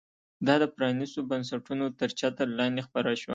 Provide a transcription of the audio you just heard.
دا د پرانیستو بنسټونو تر چتر لاندې خپره شوه.